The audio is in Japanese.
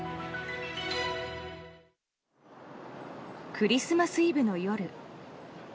クリスマスイブの夜。